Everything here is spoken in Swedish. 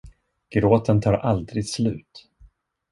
Gråten tar aldrig slut.